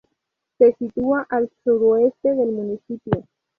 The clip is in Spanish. Se sitúa al suroeste del municipio.